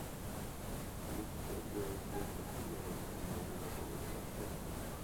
Si esta teoría es cierta, sería el hermano mayor de Roberto el Fuerte.